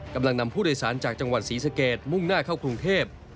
กำลังนำผู้โดยสารจากจังหวัดศรีสเกตมุ่งหน้าเข้ากรุงเทพ